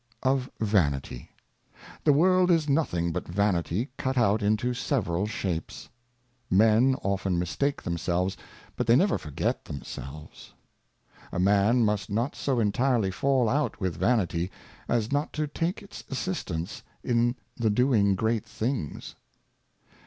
Of Vanity. THE W^orld is nothing but Vanity cut out into several Shapes. Men often mistake themselves, but they never forget them selves. A Man must not so entirely fall out with Vanity, as not to take its Assistance in the doing great Things.